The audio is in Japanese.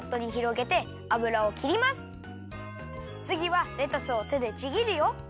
つぎはレタスをてでちぎるよ。